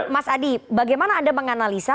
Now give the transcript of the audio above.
mas adi bagaimana anda menganalisa